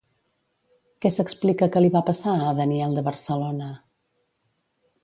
Què s'explica que li va passar a Daniel de Barcelona?